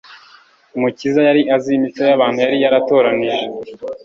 Umukiza yari azi imico y'abantu yari yaratoranije;